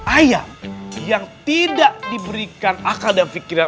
ayam yang tidak diberikan akal dan pikiran